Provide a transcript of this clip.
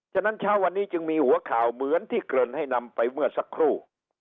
ฉะนั้นเช้าวันนี้จึงมีหัวข่าวเหมือนที่เกริ่นให้นำไปเมื่อสักครู่